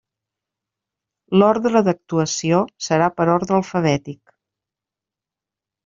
L'ordre d'actuació serà per ordre alfabètic.